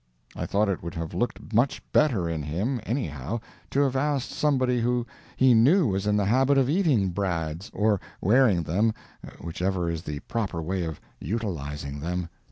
I thought it would have looked much better in him, anyhow, to have asked somebody who he knew was in the habit of eating brads, or wearing them, whichever is the proper way of utilizing them.